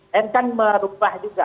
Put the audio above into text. dan kan merubah juga